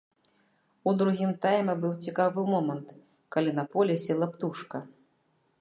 У другім тайме быў цікавы момант, калі на поле села птушка.